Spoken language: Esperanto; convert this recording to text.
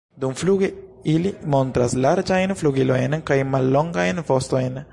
Dumfluge ili montras larĝajn flugilojn kaj mallongajn vostojn.